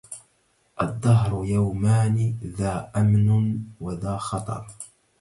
الدهر يومان ذا أمن وذا خطر